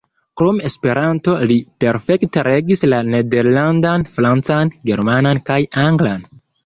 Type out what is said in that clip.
Krom Esperanto, li perfekte regis la nederlandan, francan, germanan kaj anglan.